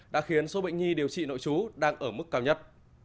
đã khiến số bệnh nhi điều trị nội trú đang ở mức cao nhất